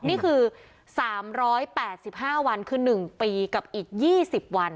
นี่คือ๓๘๕วันคือ๑ปีกับอีก๒๐วัน